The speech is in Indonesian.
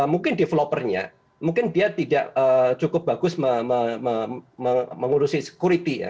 mungkin developernya mungkin dia tidak cukup bagus mengurusi security ya